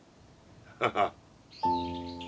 ハハッ。